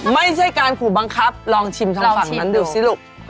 ไม่ใช่การขู่บังคับลองชิมทางฝั่งนั้นดูสิลูก